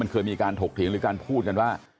เคยมีการถกเถียงหรือการพูดกันว่า